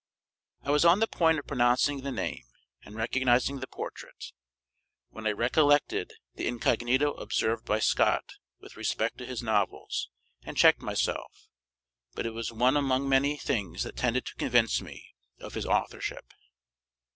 I was on the point of pronouncing the name and recognizing the portrait, when I recollected the incognito observed by Scott with respect to his novels, and checked myself; but it was one among many things that tended to convince me of his authorship.